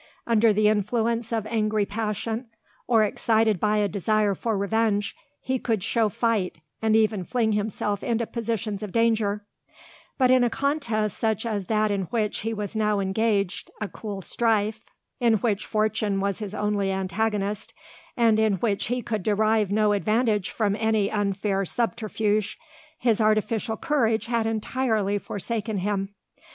Under the influence of angry passion, or excited by a desire for revenge, he could show fight, and even fling himself into positions of danger; but in a contest such as that in which he was now engaged a cool strife, in which Fortune was his only antagonist, and in which he could derive no advantage from any unfair subterfuge, his artificial courage had entirely forsaken him.